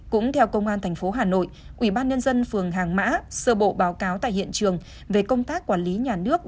cũng theo công an tp hà nội ủy ban nhân dân phường hàng mã sơ bộ báo cáo tại hiện trường về công tác quản lý nhà nước